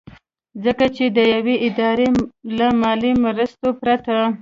ځکه چې د يوې ادارې له مالي مرستې پرته